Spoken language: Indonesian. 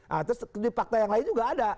nah terus di fakta yang lain juga ada